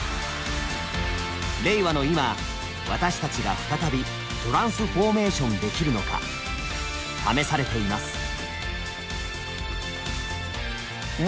令和の今私たちが再びトランスフォーメーションできるのか試されています。